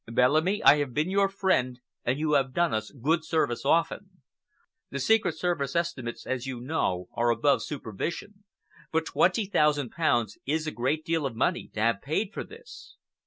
"Bellamy, I have been your friend and you have done us good service often. The Secret Service estimates, as you know, are above supervision, but twenty thousand pounds is a great deal of money to have paid for this."